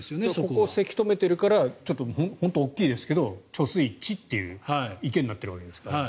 ここをせき止めているから本当に大きいですけど貯水池という池になっているわけですから。